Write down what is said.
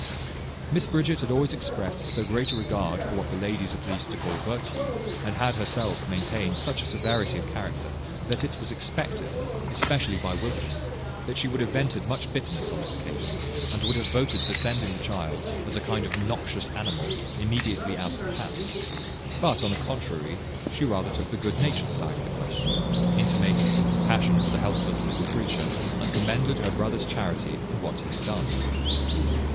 Miss Bridget had always exprest so great a regard for what the ladies are pleased to call virtue, and had herself maintained such a severity of character, that it was expected, especially by Wilkins, that she would have vented much bitterness on this occasion, and would have voted for sending the child, as a kind of noxious animal, immediately out of the house; but, on the contrary, she rather took the good natured side of the question, intimated some compassion for the helpless little creature, and commended her brother's charity in what he had done.